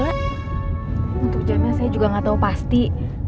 untuk jamnya saya juga nggak tahu pasti